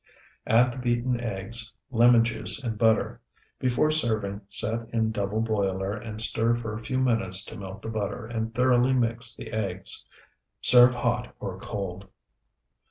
Add the beaten eggs, lemon juice, and butter. Before serving, set in double boiler and stir for a few minutes to melt the butter and thoroughly mix the eggs. Serve hot or cold.